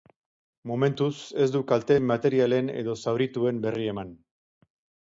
Momentuz, ez du kalte materialen edo zaurituen berri eman.